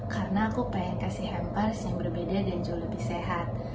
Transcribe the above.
karena aku pengen kasih hampers yang berbeda dan jauh lebih sehat